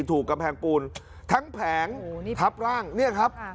ถูกกำแพงปูนทั้งแผงทับร่างเนี่ยครับ